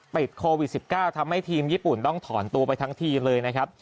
ติดโควิด๑๙ทำให้ทีมญี่ปุ่นต้องถอนตัวไปทั้งทีมเลยนะครับ